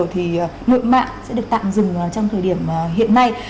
thì mượn mạng sẽ được tạm dừng trong thời điểm hiện nay